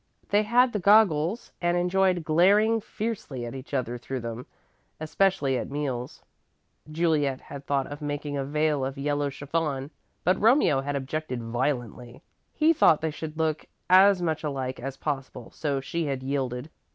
They had the goggles and enjoyed glaring fiercely at each other through them, especially at meals. Juliet had thought of making a veil of yellow chiffon, but Romeo had objected violently. He thought they should look as much alike as possible, so she had yielded.